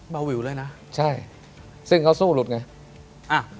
เบาวิวเลยนะใช่ซึ่งเขาสู้หลุดไงอ่ะ